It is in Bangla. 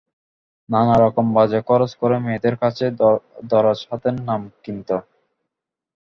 নানা রকম বাজে খরচ করে মেয়েদের কাছে দরাজ হাতের নাম কিনত।